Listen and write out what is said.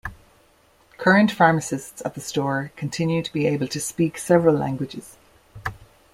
Current pharmacists at the store continue to be able to speak several languages.